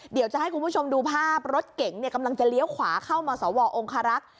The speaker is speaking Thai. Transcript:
เดี๋ยวจะให้คุณผู้ชมดูภาพรถเก๋งกำลังจะเลี้ยวขวาเข้ามาสวองคารักษ์